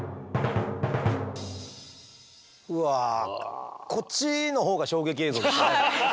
うわこっちのほうが衝撃映像でしたね。